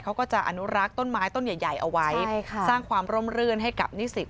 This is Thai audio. เขาก็จะอนุรักษ์ต้นไม้ต้นใหญ่เอาไว้สร้างความร่มรื่นให้กับนิสิต